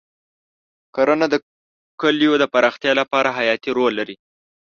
کرنه د کلیو د پراختیا لپاره حیاتي رول لري.